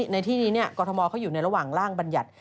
ในที่นี้กรทมเขาอยู่ในระหว่างร่างบรรยัติ